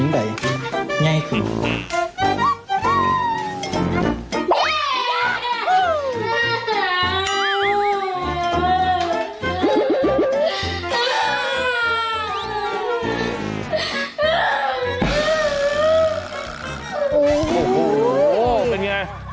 โอ้โฮเป็นอย่างไร